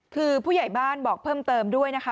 คือผู้ใหญ่บ้านบอกเพิ่มเติมด้วยนะคะ